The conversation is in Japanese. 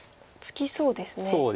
そうですね。